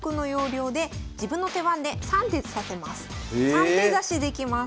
３手指しできます。